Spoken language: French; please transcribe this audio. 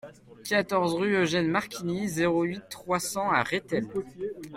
quatorze rue Eugène Marquigny, zéro huit, trois cents à Rethel